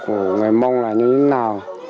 của người mông là như thế nào